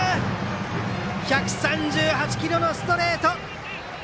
１３８キロのストレート！